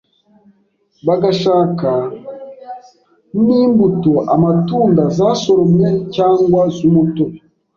bagashaka n’imbuto (amatunda) zasoromwe cyangwa z’umutobe,